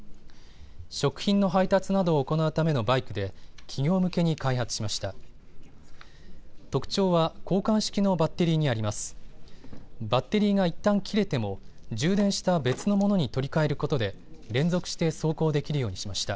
食品の配達などを行うためのバイクで企業向けに開発しました。